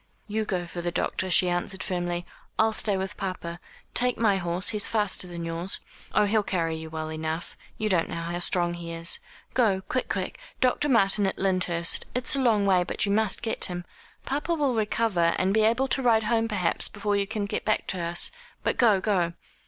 "You go for the doctor," she answered firmly. "I'll stay with papa. Take my horse, he's faster than yours. Oh, he'll carry you well enough. You don't know how strong he is go, quick quick Dr. Martin, at Lyndhurst it's a long way, but you must get him. Papa will recover, and be able to ride home, perhaps, before you can get back to us, but go, go."